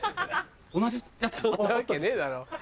そんなわけねえだろ。